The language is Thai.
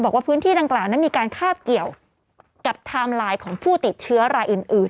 บอกว่าพื้นที่ดังกล่าวนั้นมีการคาบเกี่ยวกับไทม์ไลน์ของผู้ติดเชื้อรายอื่น